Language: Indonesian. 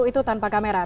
itu tanpa kamera